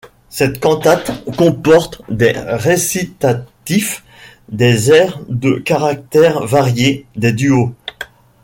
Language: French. Cette cantate comporte des récitatifs, des airs de caractères variés, des duos.